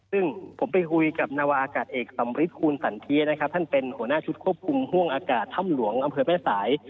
ซึ่งผมไปคุยกับนาวาอากาศเอกสำริทคูณสันเทียนะครับท่านเป็นหัวหน้าชุดควบคุมห่วงอากาศถ้ำหลวงอำเภอแม่สาย